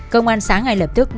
công an xã ngay lập tức